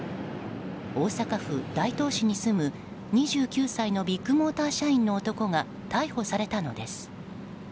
大阪府大東市に住む２９歳のビッグモーター社員の男が逮捕されたのです。